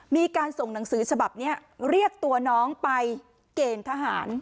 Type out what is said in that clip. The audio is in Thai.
มีการส่งหนังสือฉบับนี้เรียกตัวน้องไปเกณฑ์ทหาร